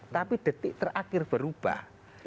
tapi detik terakhir berubah